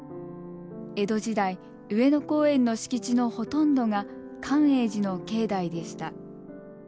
江戸時代上野公園の敷地のほとんどが寛永寺の境内でした。